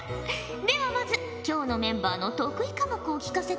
ではまず今日のメンバーの得意科目を聞かせてもらおうかのう。